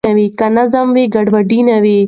که نظم وي ګډوډي نه وي.